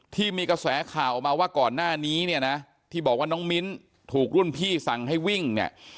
ที่มีกระแสข่าวออกมาว่าก่อนหน้านี้เนี่ยนะที่บอกว่าน้องมิ้นถูกรุ่นพี่สั่งให้วิ่งเนี่ย